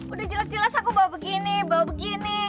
udah jelas jelas aku bawa begini bawa begini